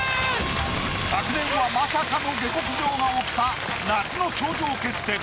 昨年はまさかの下剋上が起きた夏の頂上決戦。